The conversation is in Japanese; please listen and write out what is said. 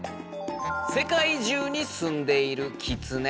世界中に住んでいるキツネ。